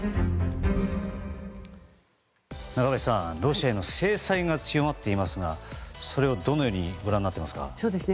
中林さん、ロシアへの制裁が強まっていますがそれをどのようにご覧になっていますか？